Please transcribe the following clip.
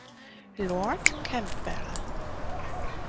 Lord Campbell.